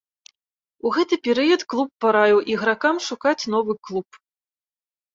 У гэты перыяд клуб параіў ігракам шукаць новы клуб.